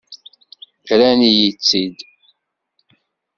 Rran-iyi-tt-id.